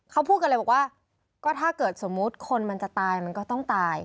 เขาพูดกันเลยบอกว่าก็ถ้าเกิดสมมุติคนมันจะตายมันก็ต้องตาย